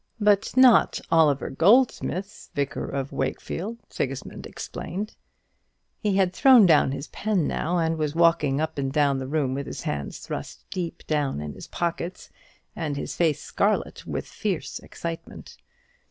"But not Oliver Goldsmith's 'Vicar of Wakefield,'" Sigismund explained. He had thrown down his pen now, and was walking up and down the room with his hands thrust deep down in his pockets, and his face scarlet with fierce excitement.